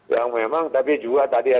yang memang tapi juga tadi ada bantuan